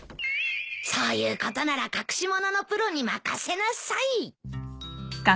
そういうことなら隠し物のプロに任せなさい。